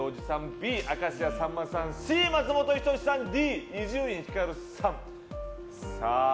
Ｂ、明石家さんまさんＣ、松本人志さんＤ、伊集院光さん。